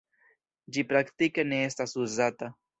Ĝi praktike ne estas uzata.